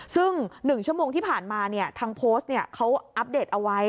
ซึ่ง๑ชั่วโมงที่ผ่านมาทางโพสต์เขาอัปเดตเอาไว้